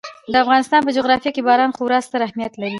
د افغانستان په جغرافیه کې باران خورا ستر اهمیت لري.